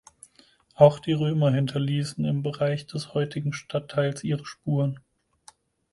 Auch die Römer hinterließen im Bereich des heutigen Stadtteils ihre Spuren.